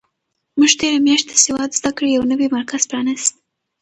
موږ تېره میاشت د سواد زده کړې یو نوی مرکز پرانیست.